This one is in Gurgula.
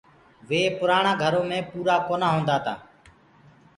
وي پُرآڻآ گھرو مي پورآ ڪونآ هوندآ تآ۔